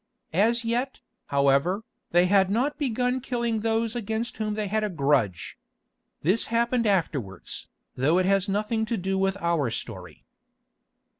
As yet, however, they had not begun killing those against whom they had a grudge. This happened afterwards, though it has nothing to do with our story.